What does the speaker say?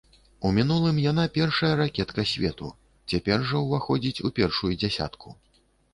У мінулым яна першая ракетка свету, цяпер жа ўваходзіць у першую дзясятку.